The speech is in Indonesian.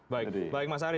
baik baik mas haris